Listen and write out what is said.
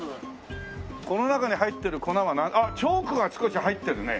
この中に入ってる粉はあっチョークが少し入ってるね。